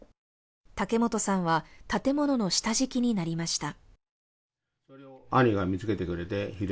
竹本さんは建物の下敷きになりました。